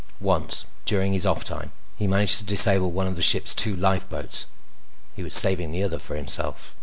Once, during his off time, he managed to disable one of the ship's two lifeboats. He was saving the other for himself.